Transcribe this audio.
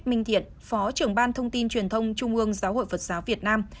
các trưởng ban thông tin truyền thông trung ương giáo hội phật giáo việt nam